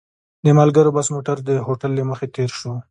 د ملګرو بس موټر د هوټل له مخې تېر شو.